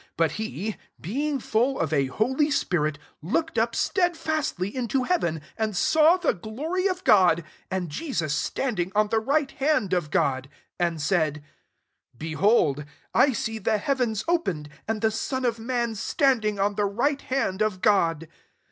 55 But he» being full of a holy spirit, look ed up stedfastly into heaven, and saw the glory of God, and Jesus standing on the right hand of God; 56 and said» *• Behold, I see the heavens opened, and the Son of man standing on the right hand of God.''